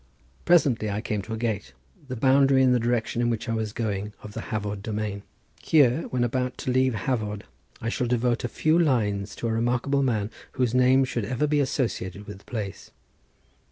Presently I came to a gate, the boundary in the direction in which I was going of the Hafod domain. Here, when about to leave Hafod, I shall devote a few lines to a remarkable man whose name should be ever associated with the place.